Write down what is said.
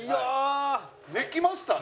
できましたね。